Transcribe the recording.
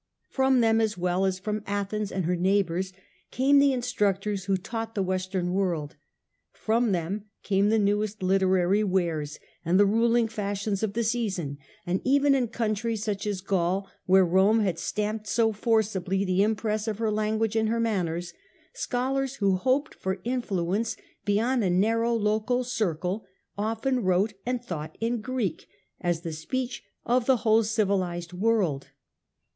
From them, as well as from Athens and her neighbours, came the instructors who taught the Western world ; from them came the newest literary wares, and the ruling fashions of the season ; and even in countries such as Gaul, where Rome had stamped so forcibly the impress of her language and her manners, scholars who hoped for influence beyond a narrow local circle, often wrote and thought in Greek, as the speech of the whole civilized world.